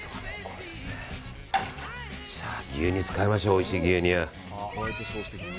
牛乳使いましょうおいしい牛乳。